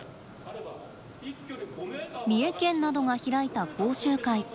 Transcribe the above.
三重県などが開いた講習会。